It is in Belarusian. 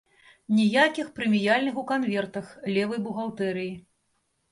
Ніякіх прэміяльных у канвертах, левай бухгалтэрыі.